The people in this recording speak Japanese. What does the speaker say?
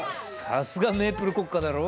さすがメープル国家だろ？